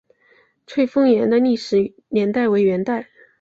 翠峰岩的历史年代为元代。